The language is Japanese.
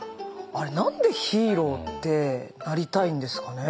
あれ何でヒーローってなりたいんですかね。